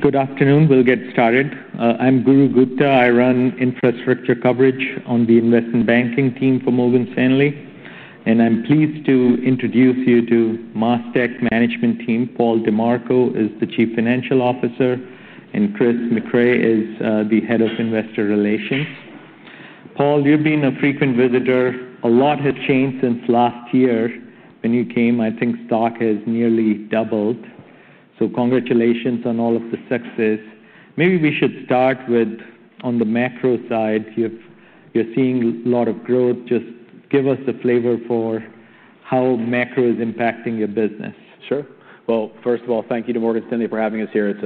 Good afternoon. We'll get started. I'm Guru Gupta. I run infrastructure coverage on the investment banking team for Morgan Stanley. I'm pleased to introduce you to the MasTec management team. Paul DiMarco is the Chief Financial Officer, and Chris Mecray is the Head of Investor Relations. Paul, you've been a frequent visitor. A lot has changed since last year. When you came, I think stock has nearly doubled. Congratulations on all of the success. Maybe we should start with on the macro side. You're seeing a lot of growth. Just give us a flavor for how macro is impacting your business. Sure. First of all, thank you to Morgan Stanley for having us here. It's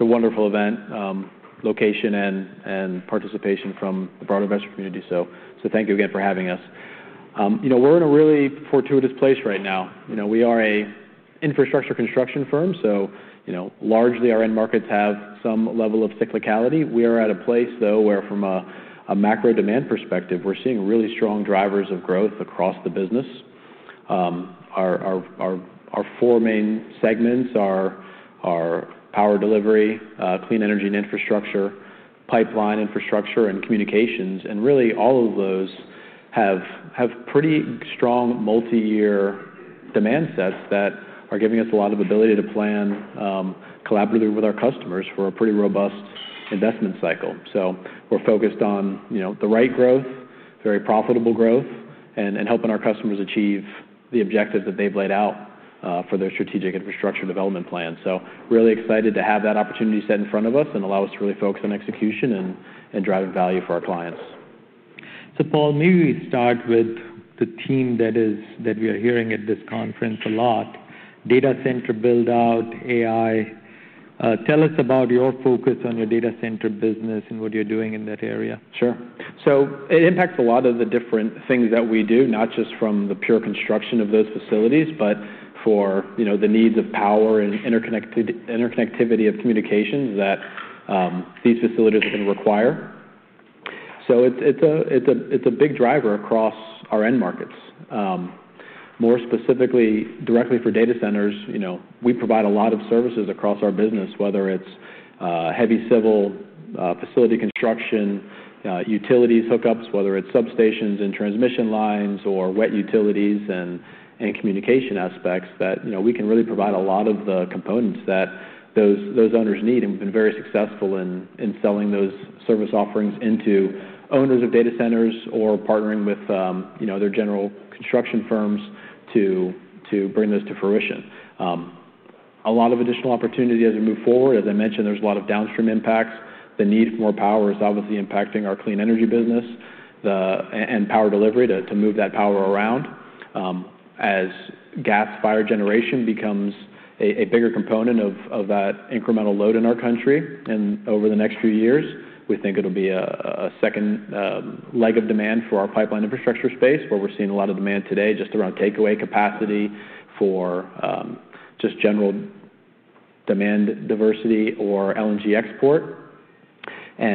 a wonderful event, location, and participation from the broader investor community. Thank you again for having us. We're in a really fortuitous place right now. We are an infrastructure construction firm, so largely, our end markets have some level of cyclicality. We are at a place, though, where from a macro demand perspective, we're seeing really strong drivers of growth across the business. Our four main segments are power delivery, clean energy and infrastructure, pipeline infrastructure, and communications. All of those have pretty strong multi-year demand sets that are giving us a lot of ability to plan collaboratively with our customers for a pretty robust investment cycle. We're focused on the right growth, very profitable growth, and helping our customers achieve the objectives that they've laid out for their strategic infrastructure development plan. Really excited to have that opportunity set in front of us and allow us to really focus on execution and driving value for our clients. Paul, maybe we start with the theme that we are hearing at this conference a lot: data center build-out, AI. Tell us about your focus on your data center business and what you're doing in that area. Sure. It impacts a lot of the different things that we do, not just from the pure construction of those facilities, but for the needs of power and interconnectivity of communications that these facilities are going to require. It is a big driver across our end markets. More specifically, directly for data centers, we provide a lot of services across our business, whether it's heavy civil facility construction, utilities hookups, substations and transmission lines, or wet utilities and communication aspects. We can really provide a lot of the components that those owners need. We've been very successful in selling those service offerings into owners of data centers or partnering with their general construction firms to bring those to fruition. There is a lot of additional opportunity as we move forward. As I mentioned, there are a lot of downstream impacts. The need for more power is obviously impacting our clean energy and infrastructure business and power delivery to move that power around. As gas fire generation becomes a bigger component of that incremental load in our country, over the next few years, we think it'll be a second leg of demand for our pipeline infrastructure space, where we're seeing a lot of demand today just around takeaway capacity for general demand diversity or LNG export. We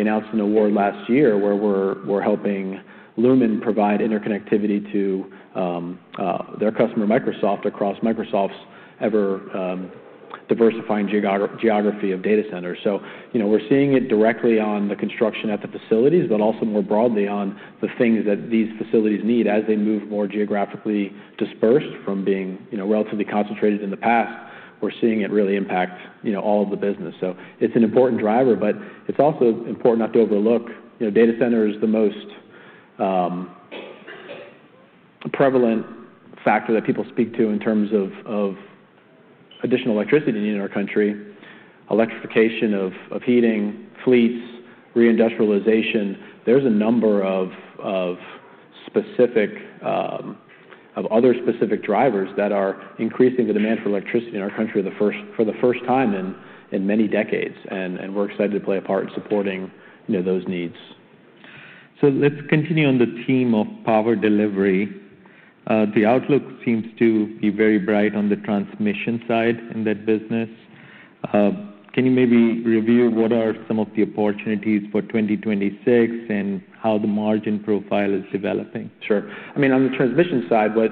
announced an award last year where we're helping Lumen provide interconnectivity to their customer, Microsoft, across Microsoft's ever-diversifying geography of data centers. We are seeing it directly on the construction at the facilities, but also more broadly on the things that these facilities need as they move more geographically dispersed from being relatively concentrated in the past. We're seeing it really impact all of the business. It is an important driver, but it's also important not to overlook. Data centers are the most prevalent factor that people speak to in terms of additional electricity need in our country. Electrification of heating, fleets, reindustrialization, there are a number of other specific drivers that are increasing the demand for electricity in our country for the first time in many decades. We're excited to play a part in supporting those needs. Let's continue on the theme of power delivery. The outlook seems to be very bright on the transmission side in that business. Can you maybe review what are some of the opportunities for 2026 and how the margin profile is developing? Sure. I mean, on the transmission side, what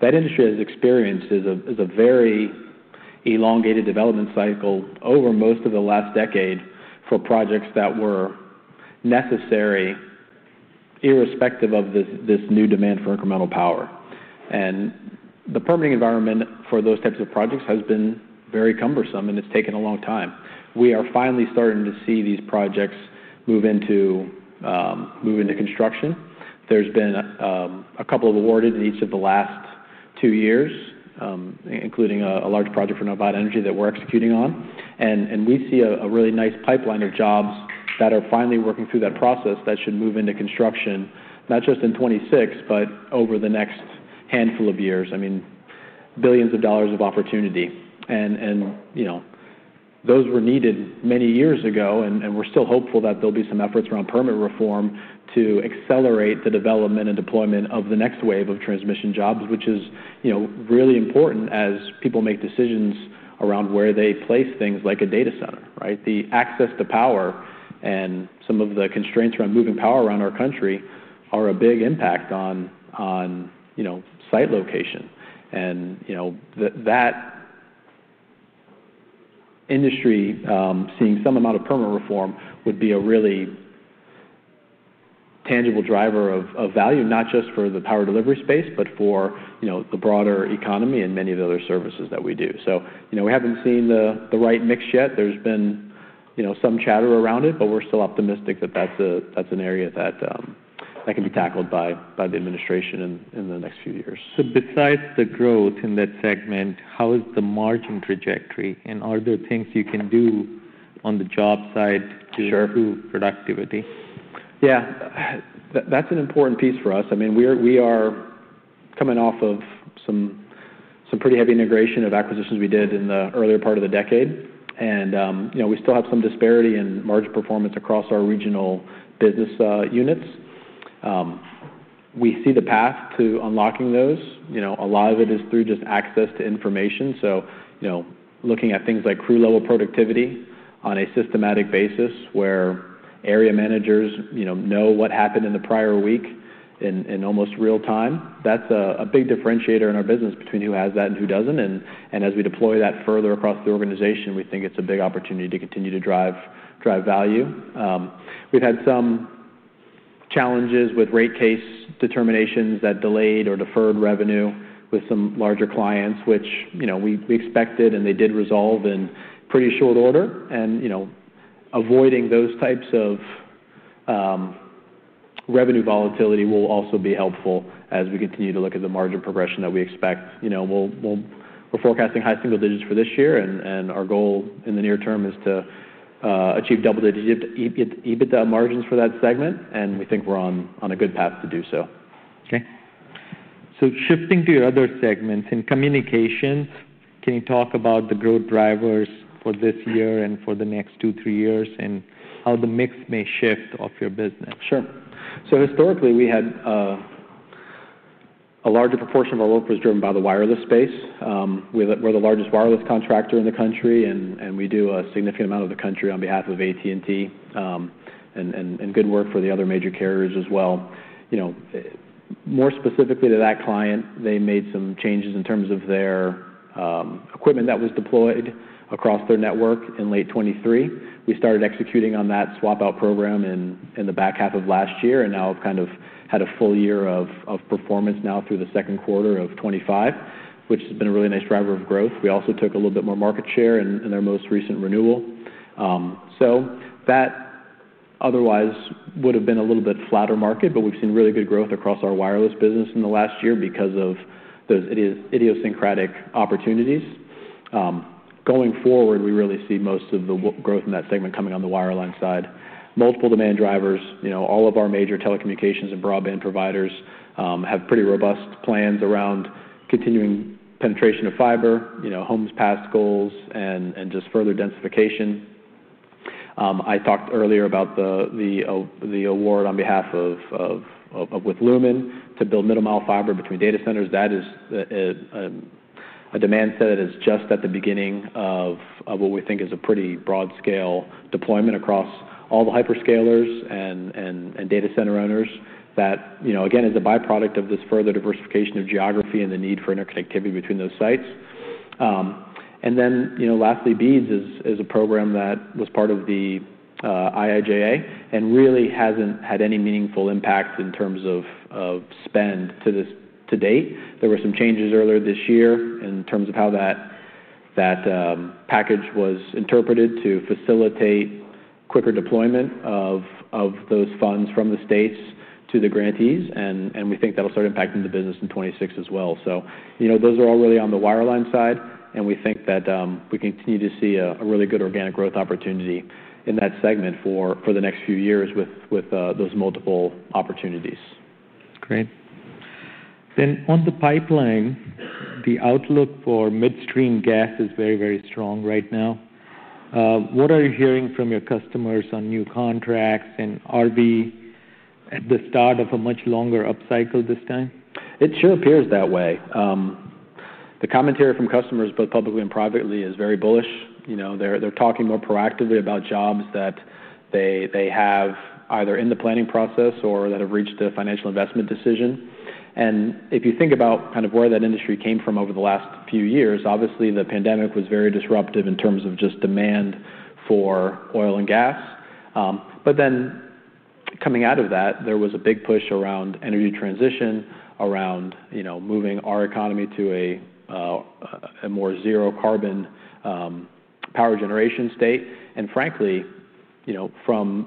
that industry has experienced is a very elongated development cycle over most of the last decade for projects that were necessary, irrespective of this new demand for incremental power. The permitting environment for those types of projects has been very cumbersome, and it's taken a long time. We are finally starting to see these projects move into construction. There have been a couple awarded in each of the last two years, including a large project for Novatus Energy that we're executing on. We see a really nice pipeline of jobs that are finally working through that process that should move into construction, not just in 2026, but over the next handful of years. I mean, billions of dollars of opportunity. Those were needed many years ago, and we're still hopeful that there will be some efforts around permit reform to accelerate the development and deployment of the next wave of transmission jobs, which is really important as people make decisions around where they place things like a data center. The access to power and some of the constraints around moving power around our country are a big impact on site location. That industry, seeing some amount of permit reform, would be a really tangible driver of value, not just for the power delivery space, but for the broader economy and many of the other services that we do. We haven't seen the right mix yet. There has been some chatter around it, but we're still optimistic that that's an area that can be tackled by the administration in the next few years. Besides the growth in that segment, how is the margin trajectory? Are there things you can do on the job side to improve productivity? Yeah, that's an important piece for us. I mean, we are coming off of some pretty heavy integration of acquisitions we did in the earlier part of the decade. We still have some disparity in margin performance across our regional business units. We see the path to unlocking those. A lot of it is through just access to information. Looking at things like crew-level productivity on a systematic basis, where area managers know what happened in the prior week in almost real time, that's a big differentiator in our business between who has that and who doesn't. As we deploy that further across the organization, we think it's a big opportunity to continue to drive value. We've had some challenges with rate case determinations that delayed or deferred revenue with some larger clients, which we expected, and they did resolve in pretty short order. Avoiding those types of revenue volatility will also be helpful as we continue to look at the margin progression that we expect. We're forecasting high single digits for this year, and our goal in the near term is to achieve double-digit EBITDA margins for that segment. We think we're on a good path to do so. OK. Shifting to other segments, in communications, can you talk about the growth drivers for this year and for the next two or three years, and how the mix may shift off your business? Sure. Historically, we had a larger proportion of our loafers driven by the wireless space. We're the largest wireless contractor in the country, and we do a significant amount of the country on behalf of AT&T and good work for the other major carriers as well. More specifically to that client, they made some changes in terms of their equipment that was deployed across their network in late 2023. We started executing on that swap-out program in the back half of last year, and now have kind of had a full year of performance now through the second quarter of 2025, which has been a really nice driver of growth. We also took a little bit more market share in their most recent renewal. That otherwise would have been a little bit flatter market, but we've seen really good growth across our wireless business in the last year because of those idiosyncratic opportunities. Going forward, we really see most of the growth in that segment coming on the wireline side. Multiple demand drivers, all of our major telecommunications and broadband providers have pretty robust plans around continuing penetration of fiber, homes passed goals, and just further densification. I talked earlier about the award on behalf of Lumen to build middle-mile fiber between data centers. That is a demand set that is just at the beginning of what we think is a pretty broad-scale deployment across all the hyperscalers and data center owners that, again, is a byproduct of this further diversification of geography and the need for interconnectivity between those sites. Lastly, BEAD is a program that was part of the IIJA and really hasn't had any meaningful impact in terms of spend to date. There were some changes earlier this year in terms of how that package was interpreted to facilitate quicker deployment of those funds from the states to the grantees. We think that'll start impacting the business in 2026 as well. Those are all really on the wireline side, and we think that we continue to see a really good organic growth opportunity in that segment for the next few years with those multiple opportunities. Great. On the pipeline, the outlook for midstream gas is very, very strong right now. What are you hearing from your customers on new contracts? Are we at the start of a much longer upcycle this time? It sure appears that way. The commentary from customers, both publicly and privately, is very bullish. They're talking more proactively about jobs that they have either in the planning process or that have reached the financial investment decision. If you think about kind of where that industry came from over the last few years, obviously, the pandemic was very disruptive in terms of just demand for oil and gas. Coming out of that, there was a big push around energy transition, around moving our economy to a more zero-carbon power generation state. Frankly, from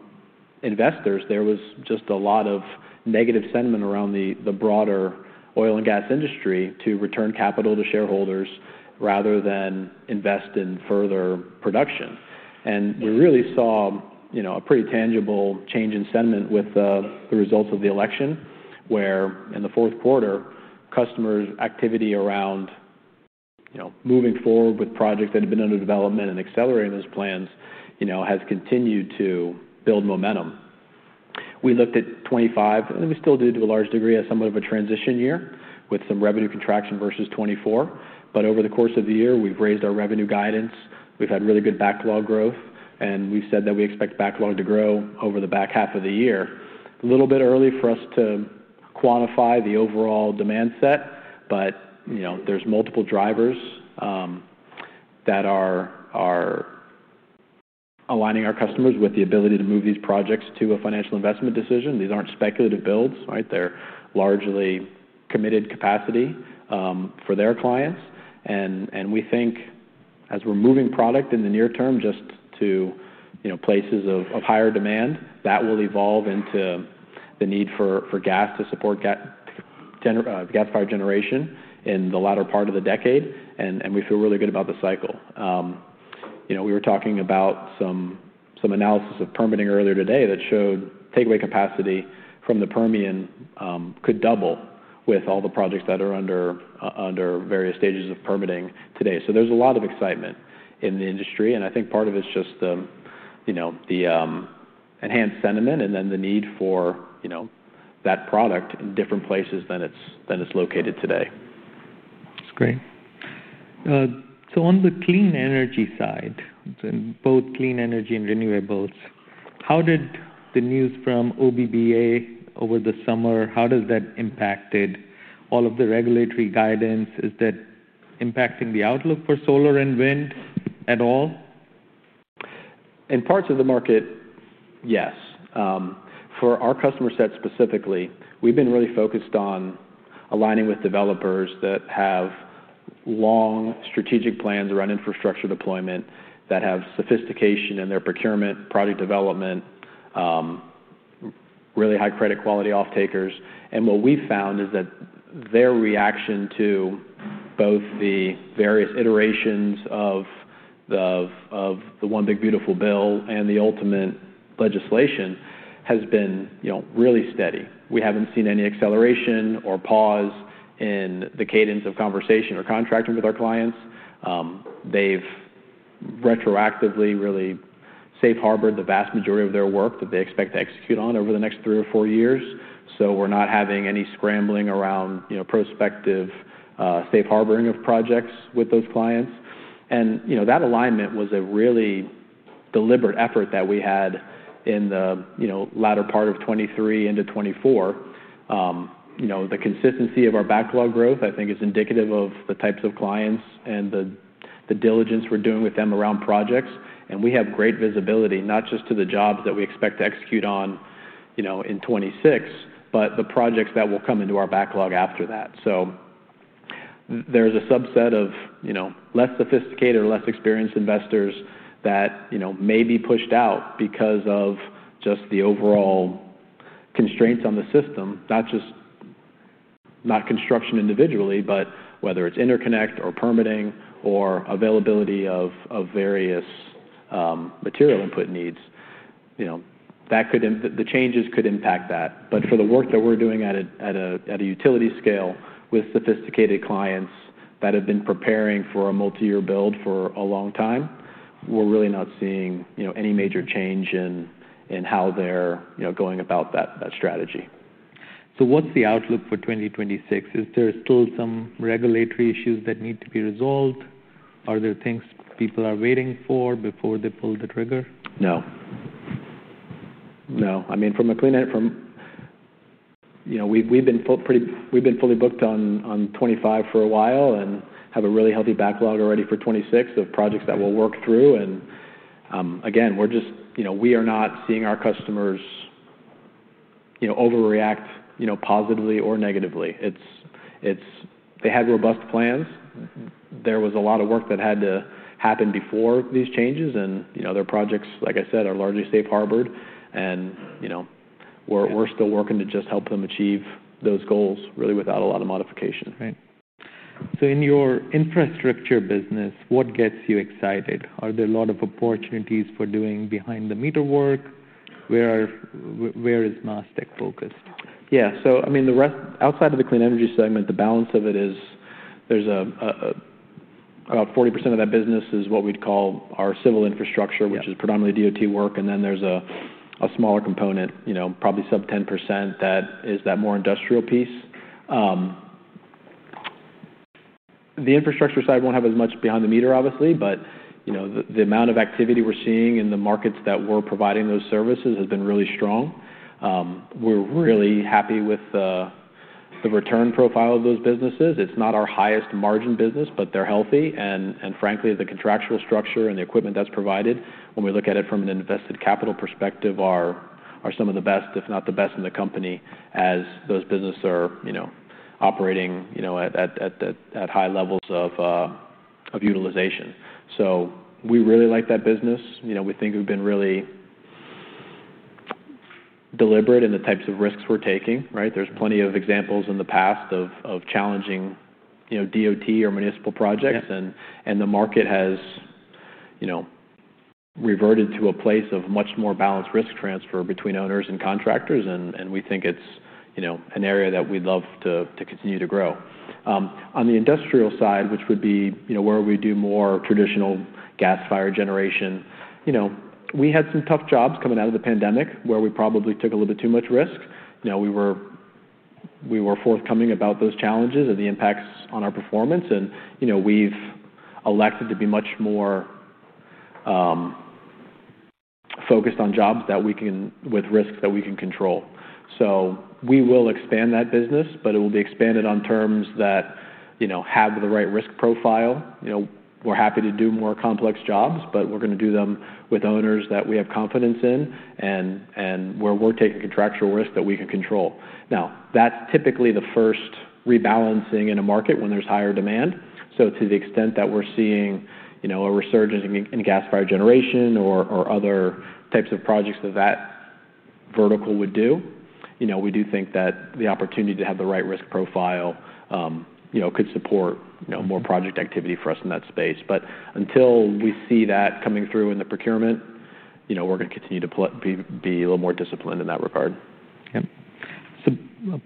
investors, there was just a lot of negative sentiment around the broader oil and gas industry to return capital to shareholders rather than invest in further production. We really saw a pretty tangible change in sentiment with the results of the election, where in the fourth quarter, customers' activity around moving forward with projects that had been under development and accelerating those plans has continued to build momentum. We looked at 2025, and we still do, to a large degree, as somewhat of a transition year with some revenue contraction versus 2024. Over the course of the year, we've raised our revenue guidance. We've had really good backlog growth. We've said that we expect backlog to grow over the back half of the year. It's a little bit early for us to quantify the overall demand set, but there's multiple drivers that are aligning our customers with the ability to move these projects to a financial investment decision. These aren't speculative builds. They're largely committed capacity for their clients. We think as we're moving product in the near term just to places of higher demand, that will evolve into the need for gas to support gas fire generation in the latter part of the decade. We feel really good about the cycle. We were talking about some analysis of permitting earlier today that showed takeaway capacity from the Permian could double with all the projects that are under various stages of permitting today. There's a lot of excitement in the industry. I think part of it is just the enhanced sentiment and then the need for that product in different places than it's located today. That's great. On the clean energy side, both clean energy and renewables, how did the news from OBBA over the summer, how has that impacted all of the regulatory guidance? Is that impacting the outlook for solar and wind at all? In parts of the market, yes. For our customer set specifically, we've been really focused on aligning with developers that have long strategic plans around infrastructure deployment, that have sophistication in their procurement, project development, really high credit quality off-takers. What we've found is that their reaction to both the various iterations of the One Big Beautiful Bill and the ultimate legislation has been really steady. We haven't seen any acceleration or pause in the cadence of conversation or contracting with our clients. They've retroactively really safe-harbored the vast majority of their work that they expect to execute on over the next three or four years. We're not having any scrambling around prospective safe-harboring of projects with those clients. That alignment was a really deliberate effort that we had in the latter part of 2023 into 2024. The consistency of our backlog growth, I think, is indicative of the types of clients and the diligence we're doing with them around projects. We have great visibility, not just to the jobs that we expect to execute on in 2026, but the projects that will come into our backlog after that. There's a subset of less sophisticated or less experienced investors that may be pushed out because of just the overall constraints on the system, not just construction individually, but whether it's interconnect or permitting or availability of various material input needs. The changes could impact that. For the work that we're doing at a utility scale with sophisticated clients that have been preparing for a multi-year build for a long time, we're really not seeing any major change in how they're going about that strategy. What is the outlook for 2026? Is there still some regulatory issues that need to be resolved? Are there things people are waiting for before they pull the trigger? No. I mean, from a clean end, we've been fully booked on 2025 for a while and have a really healthy backlog already for 2026 of projects that we'll work through. We're just not seeing our customers overreact positively or negatively. They had robust plans. There was a lot of work that had to happen before these changes. Their projects, like I said, are largely safe-harbored. We're still working to just help them achieve those goals really without a lot of modification. Right. In your infrastructure business, what gets you excited? Are there a lot of opportunities for doing behind-the-meter work? Where is MasTec focused? Yeah. Outside of the clean energy segment, the balance of it is about 40% of that business is what we'd call our civil infrastructure, which is predominantly DOT work. There's a smaller component, probably sub 10%, that is that more industrial piece. The infrastructure side won't have as much behind the meter, obviously. The amount of activity we're seeing in the markets that we're providing those services has been really strong. We're really happy with the return profile of those businesses. It's not our highest margin business, but they're healthy. Frankly, the contractual structure and the equipment that's provided, when we look at it from an invested capital perspective, are some of the best, if not the best, in the company as those businesses are operating at high levels of utilization. We really like that business. We think we've been really deliberate in the types of risks we're taking. There are plenty of examples in the past of challenging DOT or municipal projects. The market has reverted to a place of much more balanced risk transfer between owners and contractors. We think it's an area that we'd love to continue to grow. On the industrial side, which would be where we do more traditional gas fire generation, we had some tough jobs coming out of the pandemic where we probably took a little bit too much risk. We were forthcoming about those challenges and the impacts on our performance. We've elected to be much more focused on jobs with risks that we can control. We will expand that business, but it will be expanded on terms that have the right risk profile. We're happy to do more complex jobs, but we're going to do them with owners that we have confidence in and where we're taking contractual risk that we can control. That's typically the first rebalancing in a market when there's higher demand. To the extent that we're seeing a resurgence in gas fire generation or other types of projects that that vertical would do, we do think that the opportunity to have the right risk profile could support more project activity for us in that space. Until we see that coming through in the procurement, we're going to continue to be a little more disciplined in that regard.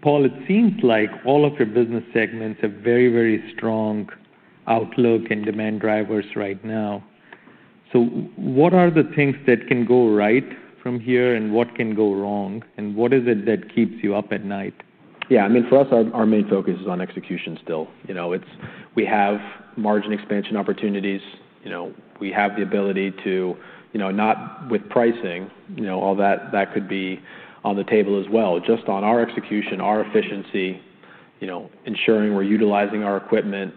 Paul, it seems like all of your business segments have very, very strong outlook and demand drivers right now. What are the things that can go right from here and what can go wrong? What is it that keeps you up at night? Yeah. I mean, for us, our main focus is on execution still. We have margin expansion opportunities. We have the ability to, not with pricing, although that could be on the table as well, just on our execution, our efficiency, ensuring we're utilizing our equipment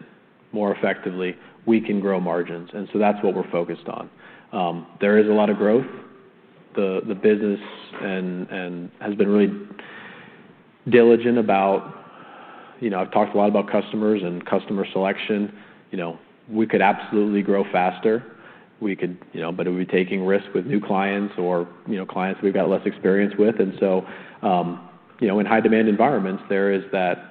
more effectively, we can grow margins. That's what we're focused on. There is a lot of growth. The business has been really diligent about, I've talked a lot about customers and customer selection. We could absolutely grow faster, but it would be taking risk with new clients or clients that we've got less experience with. In high-demand environments, there is that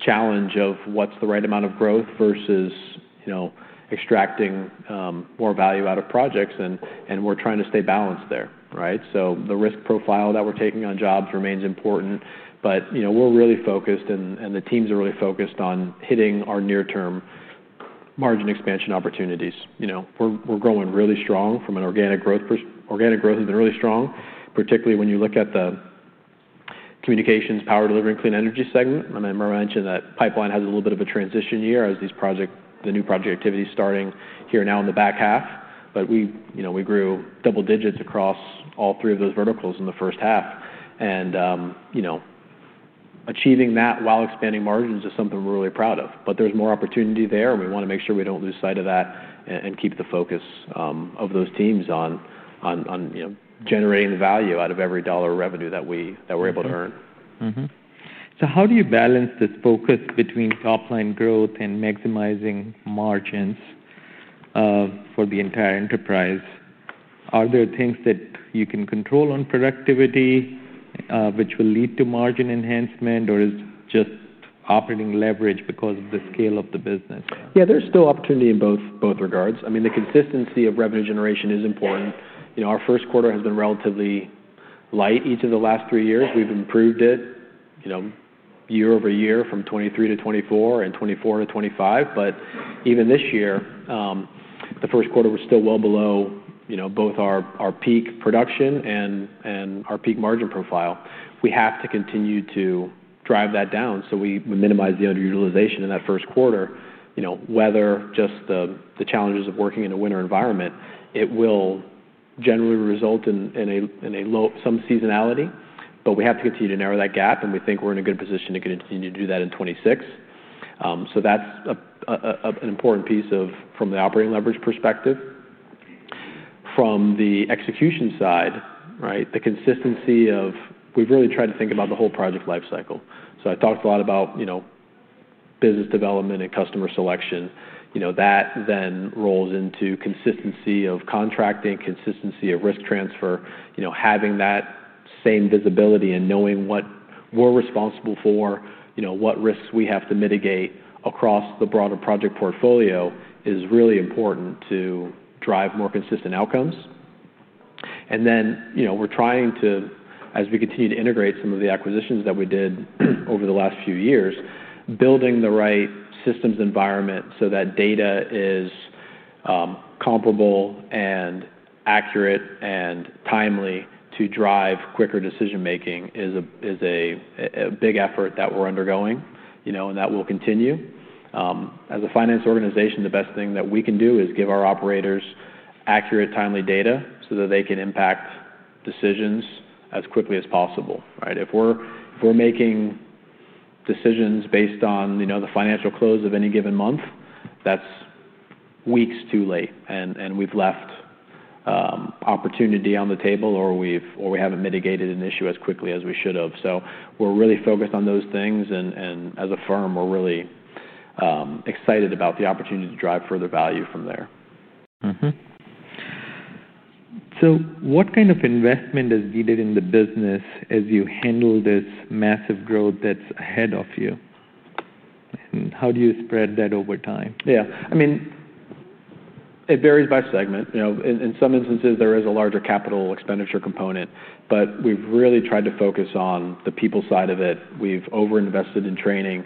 challenge of what's the right amount of growth versus extracting more value out of projects. We're trying to stay balanced there. The risk profile that we're taking on jobs remains important. We're really focused, and the teams are really focused on hitting our near-term margin expansion opportunities. We're growing really strong from an organic growth. Organic growth has been really strong, particularly when you look at the communications, power delivery, and clean energy segment. I remember I mentioned that pipeline has a little bit of a transition year as the new project activity is starting here now in the back half. We grew double digits across all three of those verticals in the first half. Achieving that while expanding margins is something we're really proud of. There's more opportunity there, and we want to make sure we don't lose sight of that and keep the focus of those teams on generating the value out of every dollar of revenue that we're able to earn. How do you balance this focus between top-line growth and maximizing margins for the entire enterprise? Are there things that you can control on productivity which will lead to margin enhancement, or is it just operating leverage because of the scale of the business? Yeah, there's still opportunity in both regards. I mean, the consistency of revenue generation is important. Our first quarter has been relatively light. Each of the last three years, we've improved it year-over-year from 2023 to 2024 and 2024 to 2025. Even this year, the first quarter was still well below both our peak production and our peak margin profile. We have to continue to drive that down so we minimize the underutilization in that first quarter. Whether just the challenges of working in a winter environment, it will generally result in some seasonality. We have to continue to narrow that gap, and we think we're in a good position to continue to do that in 2026. That's an important piece from the operating leverage perspective. From the execution side, the consistency of, we've really tried to think about the whole project lifecycle. I talked a lot about business development and customer selection. That then rolls into consistency of contracting, consistency of risk transfer. Having that same visibility and knowing what we're responsible for, what risks we have to mitigate across the broader project portfolio is really important to drive more consistent outcomes. We're trying to, as we continue to integrate some of the acquisitions that we did over the last few years, building the right systems environment so that data is comparable and accurate and timely to drive quicker decision-making is a big effort that we're undergoing and that will continue. As a finance organization, the best thing that we can do is give our operators accurate, timely data so that they can impact decisions as quickly as possible. If we're making decisions based on the financial close of any given month, that's weeks too late. We've left opportunity on the table, or we haven't mitigated an issue as quickly as we should have. We're really focused on those things. As a firm, we're really excited about the opportunity to drive further value from there. What kind of investment is needed in the business as you handle this massive growth that's ahead of you, and how do you spread that over time? Yeah. I mean, it varies by segment. In some instances, there is a larger capital expenditure component, but we've really tried to focus on the people side of it. We've overinvested in training.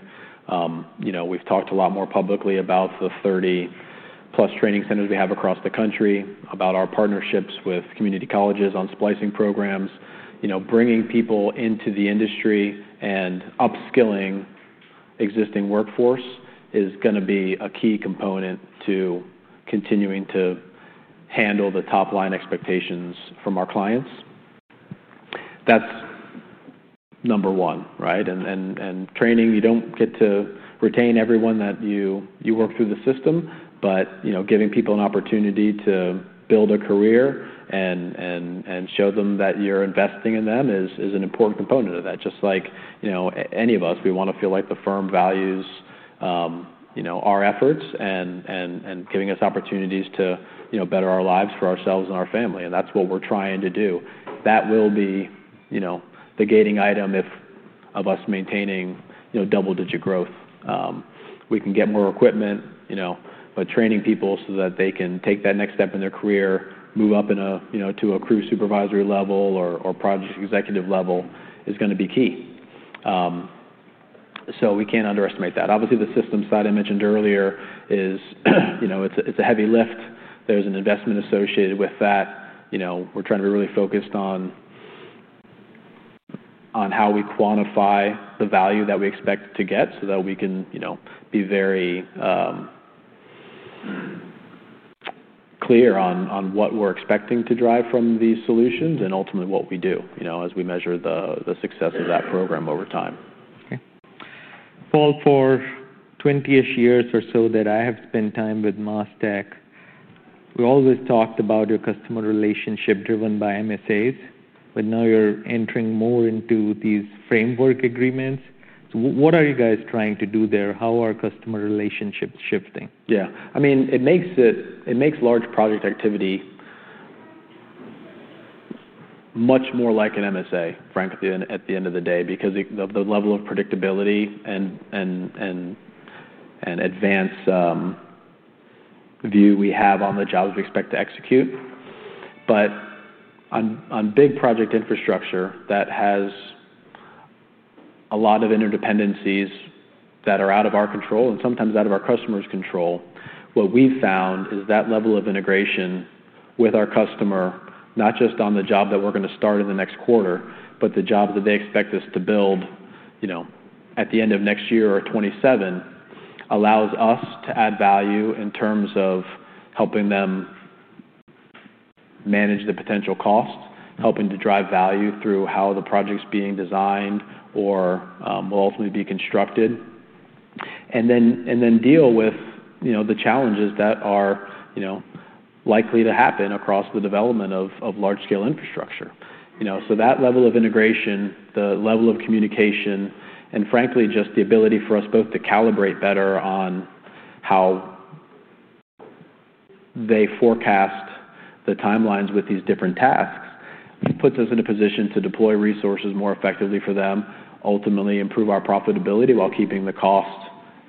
We've talked a lot more publicly about the 30+ training centers we have across the country, about our partnerships with community colleges on splicing programs. Bringing people into the industry and upskilling existing workforce is going to be a key component to continuing to handle the top-line expectations from our clients. That's number one. Training, you don't get to retain everyone that you work through the system, but giving people an opportunity to build a career and show them that you're investing in them is an important component of that. Just like any of us, we want to feel like the firm values our efforts and gives us opportunities to better our lives for ourselves and our family. That's what we're trying to do. That will be the gating item of us maintaining double-digit growth. We can get more equipment, but training people so that they can take that next step in their career, move up to a crew supervisory level or project executive level, is going to be key. We can't underestimate that. Obviously, the system side I mentioned earlier is a heavy lift. There's an investment associated with that. We're trying to be really focused on how we quantify the value that we expect to get so that we can be very clear on what we're expecting to drive from these solutions and ultimately what we do as we measure the success of that program over time. OK. Paul, for 20-ish years or so that I have spent time with MasTec, we always talked about your customer relationship driven by MSAs. Now you're entering more into these framework agreements. What are you guys trying to do there? How are customer relationships shifting? Yeah. I mean, it makes large project activity much more like an MSA, frankly, at the end of the day, because of the level of predictability and advance view we have on the jobs we expect to execute. On big project infrastructure that has a lot of interdependencies that are out of our control and sometimes out of our customers' control, what we've found is that level of integration with our customer, not just on the job that we're going to start in the next quarter, but the job that they expect us to build at the end of next year or 2027, allows us to add value in terms of helping them manage the potential costs, helping to drive value through how the project's being designed or will ultimately be constructed, and then deal with the challenges that are likely to happen across the development of large-scale infrastructure. That level of integration, the level of communication, and frankly, just the ability for us both to calibrate better on how they forecast the timelines with these different tasks puts us in a position to deploy resources more effectively for them, ultimately improve our profitability while keeping the cost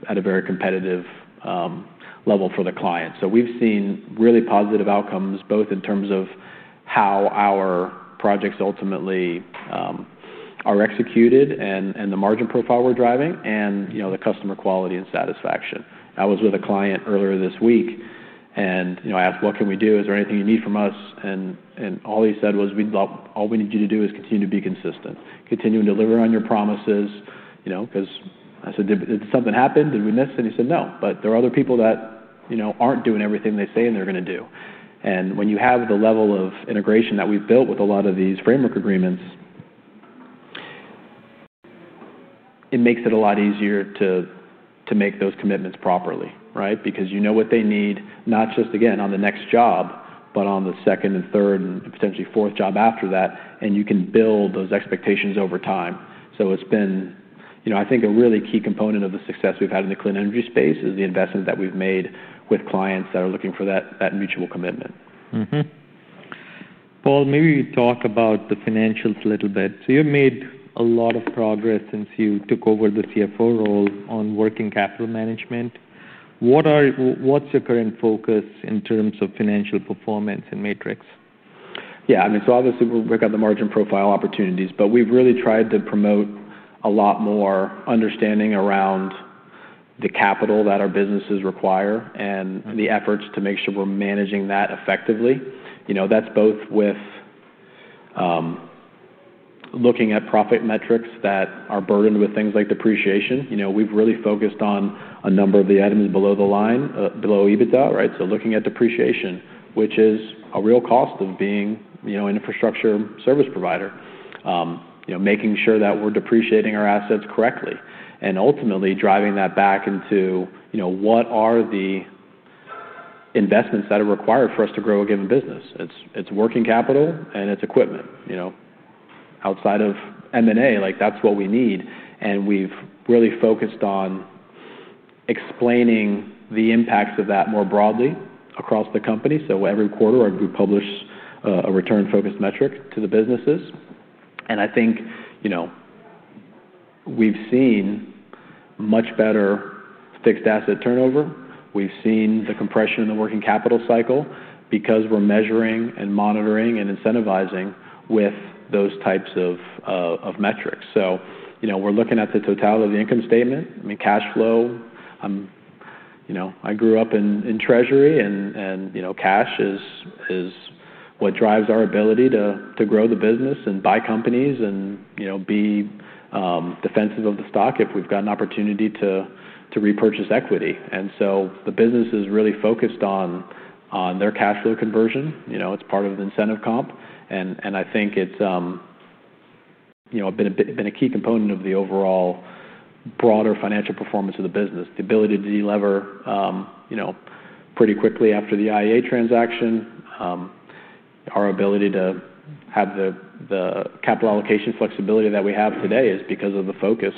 at a very competitive level for the client. We've seen really positive outcomes both in terms of how our projects ultimately are executed and the margin profile we're driving and the customer quality and satisfaction. I was with a client earlier this week, and I asked, what can we do? Is there anything you need from us? All he said was, all we need you to do is continue to be consistent, continue to deliver on your promises. I said, did something happen? Did we miss anything? He said, no. There are other people that aren't doing everything they say they're going to do. When you have the level of integration that we've built with a lot of these framework agreements, it makes it a lot easier to make those commitments properly because you know what they need, not just, again, on the next job, but on the second and third and potentially fourth job after that. You can build those expectations over time. It's been, I think, a really key component of the success we've had in the clean energy space is the investment that we've made with clients that are looking for that mutual commitment. Paul, maybe we talk about the financials a little bit. You've made a lot of progress since you took over the CFO role on working capital management. What's your current focus in terms of financial performance and metrics? Yeah. I mean, obviously, we'll work on the margin profile opportunities. We've really tried to promote a lot more understanding around the capital that our businesses require and the efforts to make sure we're managing that effectively. That's both with looking at profit metrics that are burdened with things like depreciation. We've really focused on a number of the items below the line, below EBITDA. Looking at depreciation, which is a real cost of being an infrastructure service provider, making sure that we're depreciating our assets correctly, and ultimately driving that back into what are the investments that are required for us to grow a given business. It's working capital and it's equipment. Outside of M&A, that's what we need. We've really focused on explaining the impacts of that more broadly across the company. Every quarter, we publish a return-focused metric to the businesses. I think we've seen much better fixed asset turnover. We've seen the compression in the working capital cycle because we're measuring and monitoring and incentivizing with those types of metrics. We're looking at the totality of the income statement. I mean, cash flow, I grew up in treasury, and cash is what drives our ability to grow the business and buy companies and be defensive of the stock if we've got an opportunity to repurchase equity. The business is really focused on their cash flow conversion. It's part of the incentive comp. I think it's been a key component of the overall broader financial performance of the business, the ability to de-lever pretty quickly after the IEA transaction. Our ability to have the capital allocation flexibility that we have today is because of the focus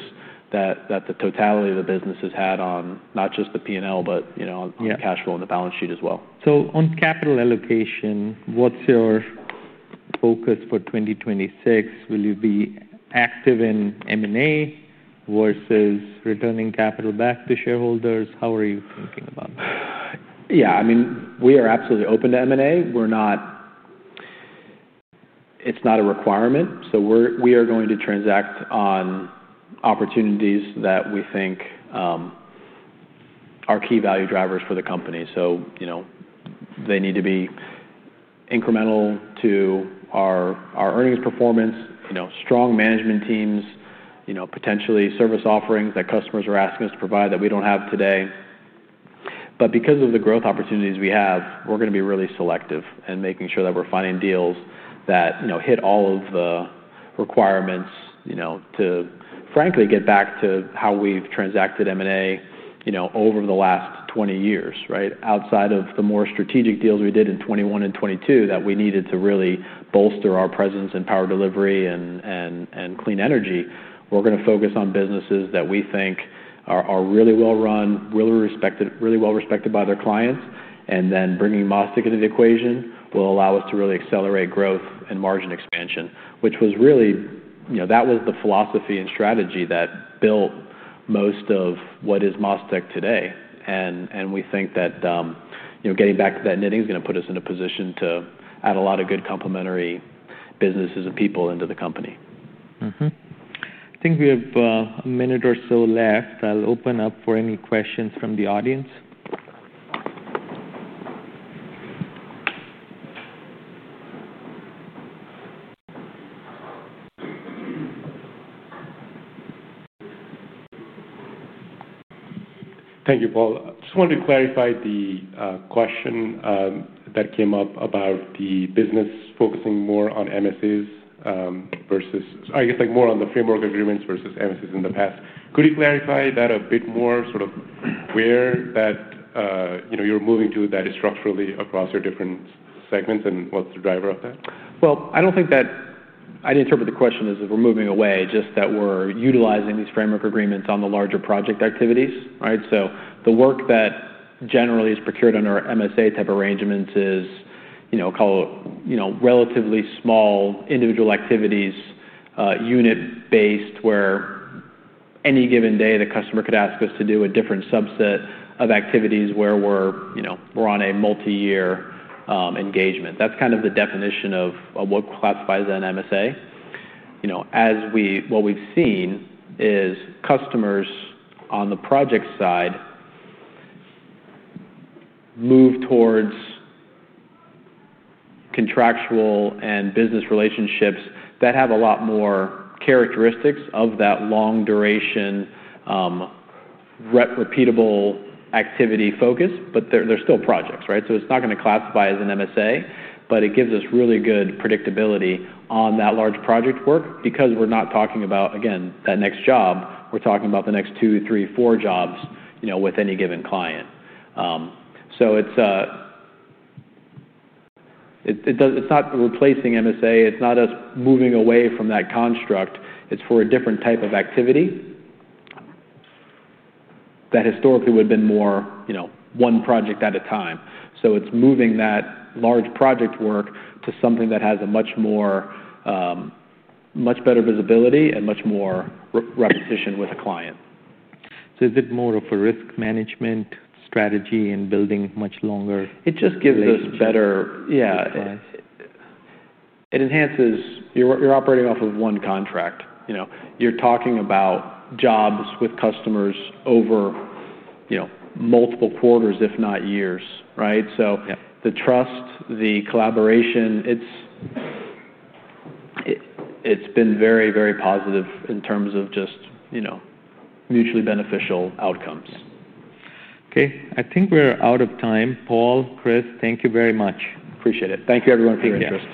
that the totality of the business has had on not just the P&L, but the cash flow on the balance sheet as well. On capital allocation, what's your focus for 2026? Will you be active in M&A versus returning capital back to shareholders? How are you thinking about it? Yeah. I mean, we are absolutely open to M&A. We're not, it's not a requirement. We are going to transact on opportunities that we think are key value drivers for the company. They need to be incremental to our earnings performance, strong management teams, potentially service offerings that customers are asking us to provide that we don't have today. Because of the growth opportunities we have, we're going to be really selective in making sure that we're finding deals that hit all of the requirements to, frankly, get back to how we've transacted M&A over the last 20 years. Outside of the more strategic deals we did in 2021 and 2022 that we needed to really bolster our presence in power delivery and clean energy, we're going to focus on businesses that we think are really well run, really well respected by their clients. Bringing MasTec into the equation will allow us to really accelerate growth and margin expansion, which was really, that was the philosophy and strategy that built most of what is MasTec today. We think that getting back to that knitting is going to put us in a position to add a lot of good complementary businesses and people into the company. I think we have a minute or so left. I'll open up for any questions from the audience. Thank you, Paul. I just wanted to clarify the question that came up about the business focusing more on MSAs versus, I guess, more on the framework agreements versus MSAs in the past. Could you clarify that a bit more, sort of where that you're moving to that is structurally across your different segments and what's the driver of that? I don't think that I interpret the question as if we're moving away, just that we're utilizing these framework agreements on the larger project activities. The work that generally is procured under our MSA type arrangements is relatively small individual activities, unit-based, where any given day the customer could ask us to do a different subset of activities where we're on a multi-year engagement. That's kind of the definition of what classifies an MSA. What we've seen is customers on the project side move towards contractual and business relationships that have a lot more characteristics of that long-duration, repeatable activity focus. They're still projects. It's not going to classify as an MSA, but it gives us really good predictability on that large project work because we're not talking about, again, that next job. We're talking about the next two, three, four jobs with any given client. It's not replacing MSA. It's not us moving away from that construct. It's for a different type of activity that historically would have been more one project at a time. It's moving that large project work to something that has much better visibility and much more repetition with a client. Is it more of a risk management strategy in building much longer? It just gives us better, yeah. It enhances your operating off of one contract. You're talking about jobs with customers over multiple quarters, if not years. The trust, the collaboration, it's been very, very positive in terms of just mutually beneficial outcomes. OK. I think we're out of time. Paul, Chris, thank you very much. Appreciate it. Thank you, everyone, for your questions.